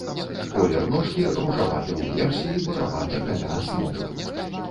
Колер ножкі ружаваты ўверсе і бураваты каля асновы.